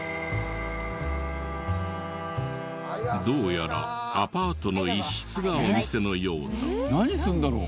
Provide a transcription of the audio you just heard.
どうやらアパートの一室がお店のようだ。